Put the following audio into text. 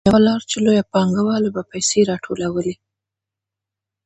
یوه لار چې لویو پانګوالو به پیسې راټولولې